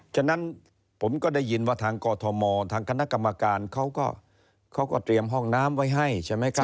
ฉะนั้นผมก็ได้ยินว่าทางกอทมทางคณะกรรมการเขาก็เตรียมห้องน้ำไว้ให้ใช่ไหมครับ